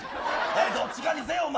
どっちかにせいや、お前。